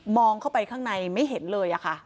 เข้าไปข้างในไม่เห็นเลยค่ะ